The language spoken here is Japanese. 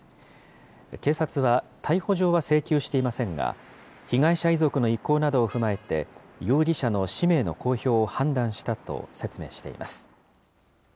警察は逮捕状は請求していませんが、被害者遺族の意向などを踏まえて、容疑者の氏名の公表を判断したと説明しています。